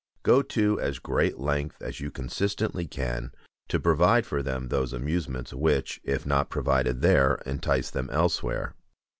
Go to as great length as you consistently can to provide for them those amusements, which, if not provided there, entice them elsewhere.